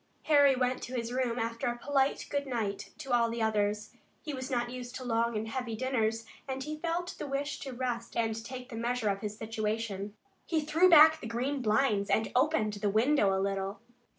Harry went to his room, after a polite good night to all the others. He was not used to long and heavy dinners, and he felt the wish to rest and take the measure of his situation. He threw back the green blinds and opened the window a little.